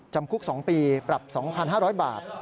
จำคุก๒ปีปรับ๒๕๐๐บาท